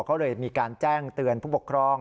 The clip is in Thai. เขาเลยมีการแจ้งเตือนผู้ปกครอง